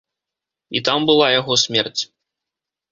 І там была яго смерць.